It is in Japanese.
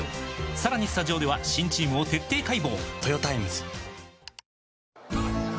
さらにスタジオでは新チームを徹底解剖！